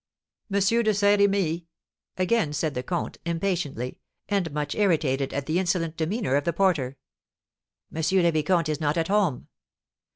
"M. de Saint Remy?" again said the comte, impatiently, and much irritated at the insolent demeanour of the porter. "M. le Vicomte is not at home."